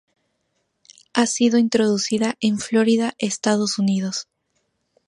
Ha sido introducida en Florida, Estados Unidos.